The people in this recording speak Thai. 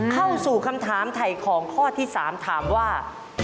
เข้าสู่คำถามถ่ายของข้อที่๓ถามว่า